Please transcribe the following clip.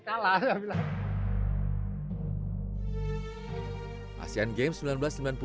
pak saya tidak sanggup sama dia dua tahun lagi saya pasti kalah